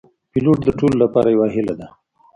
پیلوټ د ټولو لپاره یو هیله ده.